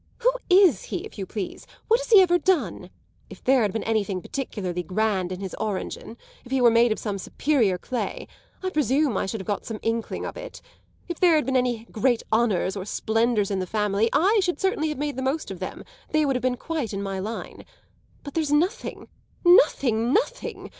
Who is he, if you please? What has he ever done? If there had been anything particularly grand in his origin if he were made of some superior clay I presume I should have got some inkling of it. If there had been any great honours or splendours in the family I should certainly have made the most of them: they would have been quite in my line. But there's nothing, nothing, nothing.